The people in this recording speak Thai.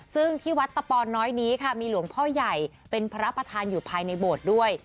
ซึ่งที่วัดตะปอนน้อยนี้ค่ะมีหลวงพ่อใหญ่เป็นพระประธานอยู่ภายในโบสถ์ด้วย